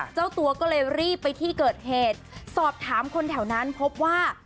เจ้าตัวก็เลยรีบไปที่เกิดเหตุสอบถามคนแถวนั้นพบว่า